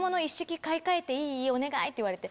「お願い」って言われて。